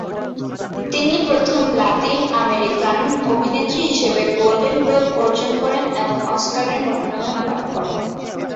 তিনি প্রথম Latin American অভিনেত্রী হিসেবে গোল্ডেন গ্লোব অর্জন করেন এবং অস্কারের মনোনয়ন লাভ করেন।